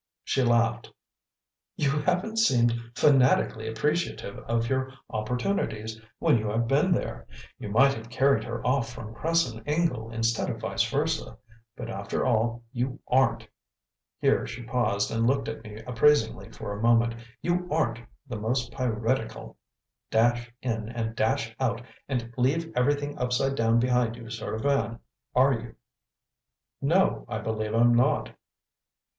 She laughed. "You haven't seemed FANATICALLY appreciative of your opportunities when you have been there; you might have carried her off from Cresson Ingle instead of vice versa. But after all, you AREN'T" here she paused and looked at me appraisingly for a moment "you AREN'T the most piratical dash in and dash out and leave everything upside down behind you sort of man, are you?" "No, I believe I'm not."